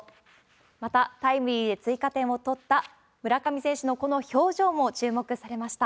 また、タイムリーで追加点を取った村上選手のこの表情も注目されました。